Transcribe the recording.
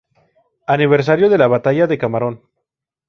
Aniversario de la Batalla de Camarón.